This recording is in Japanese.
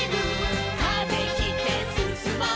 「風切ってすすもう」